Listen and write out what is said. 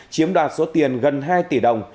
chiếm đoạt số tiền gần hai tỷ đồng